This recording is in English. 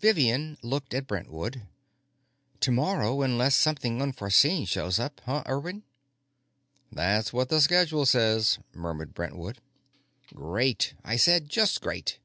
Vivian looked at Brentwood. "Tomorrow, unless something unforeseen shows up, huh, Irwin?" "That's what the schedule says," murmured Brentwood. "Great," I said. "Just great.